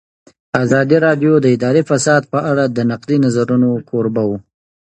ازادي راډیو د اداري فساد په اړه د نقدي نظرونو کوربه وه.